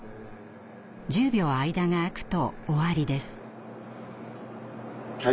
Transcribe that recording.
１０秒間が空くと終わりです。